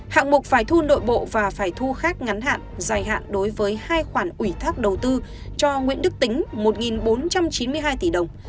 hạng mục phải thu nội bộ và phải thu khác ngắn hạn dài hạn đối với hai khoản ủy thác đầu tư cho nguyễn đức tính một bốn trăm chín mươi hai tỷ đồng